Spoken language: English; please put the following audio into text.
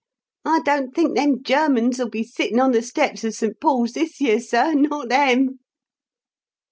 I don't think them Germans 'ull be sittin' on the steps of St. Paul's this year, sir not them!"